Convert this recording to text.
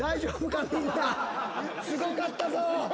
すごかったぞ！